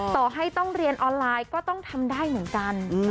ต่อให้ต้องเรียนออนไลน์ก็ต้องทำได้เหมือนกัน